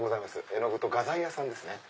絵の具と画材屋さんですね。